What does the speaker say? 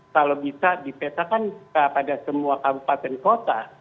kalau bisa dipetakan pada semua kabupaten kota